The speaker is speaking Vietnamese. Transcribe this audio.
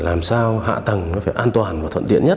làm sao hạ tầng nó phải an toàn và thuận tiện nhất